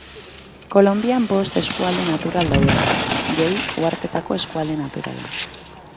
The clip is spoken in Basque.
Kolonbian bost eskualde natural daude, gehi uharteetako eskualde naturala.